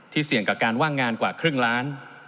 เสี่ยงกับการว่างงานกว่าครึ่งล้าน